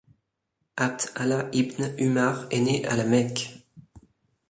Abd Allah ibn Umar est né à la Mecque.